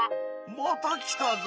また来たぞ！